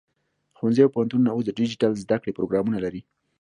ښوونځي او پوهنتونونه اوس د ډیجیټل زده کړې پروګرامونه لري.